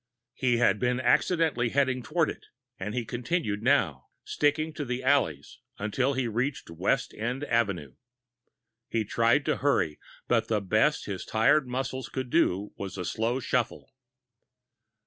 He'd been accidentally heading toward it, and he continued now, sticking to the alleys until he reached West End Avenue. He tried to hurry, but the best his tired muscles could do was a slow shuffle.